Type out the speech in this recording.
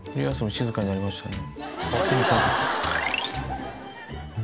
静かになりましたね。